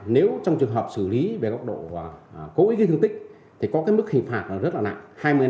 nếu trong trường hợp xử lý về góc độ cố ý gây thương tích thì có cái mức hình phạt rất là nặng